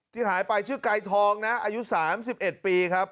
ที่หายไปชื่อกายทองอายุสามสิบเอ็ดปีครับ